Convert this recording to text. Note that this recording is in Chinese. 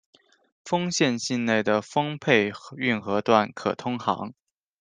丰县境内的丰沛运河段可通航。